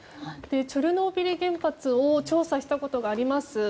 チョルノービリ原発を調査したことがあります